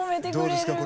どうですか？